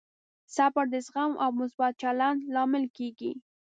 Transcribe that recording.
صبر د زغم او مثبت چلند لامل کېږي.